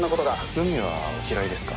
海はお嫌いですか？